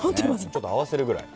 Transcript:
ちょっとあわせるぐらい。